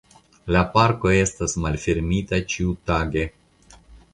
La parko estas malfermita ĉiutage.